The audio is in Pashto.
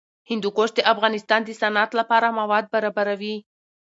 هندوکش د افغانستان د صنعت لپاره مواد برابروي.